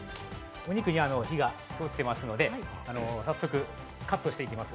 お肉に火が通ってますので早速カットしていきます。